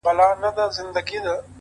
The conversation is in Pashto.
• په هر قتل هر آفت کي به دى ياد وو,